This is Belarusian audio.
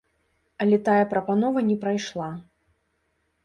Але тая прапанова не прайшла.